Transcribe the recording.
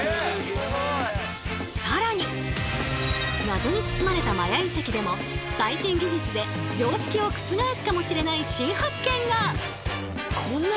更に謎に包まれたマヤ遺跡でも最新技術で常識を覆すかもしれない新発見が！？